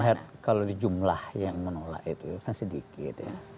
saya melihat kalau di jumlah yang menolak itu kan sedikit ya